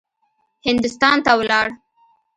هندوستان ته ولاړ.